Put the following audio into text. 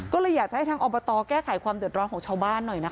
ก็เลยอยากจะให้ทางอบตแก้ไขความเดือดร้อนของชาวบ้านหน่อยนะคะ